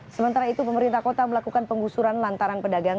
sementara itu pemerintah kota melakukan penggusuran lantaran pedagang